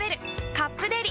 「カップデリ」